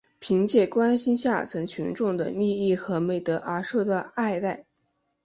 凭借关心下层群众的利益和美德而受到爱戴。